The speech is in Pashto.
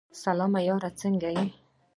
سلام یاره سنګه یی ؟